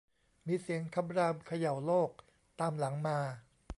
มีเสียงคำรามเขย่าโลกตามหลังมา